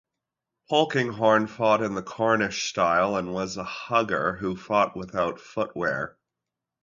Polkinghorne fought in the Cornish style and was a "hugger" who fought without footwear.